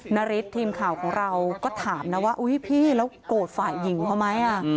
นาริสทีมข่าวของเราก็ถามนะว่าอุ๊ยพี่แล้วโกรธฝ่ายหญิงเขาไหม